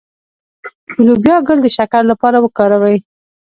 د لوبیا ګل د شکر لپاره وکاروئ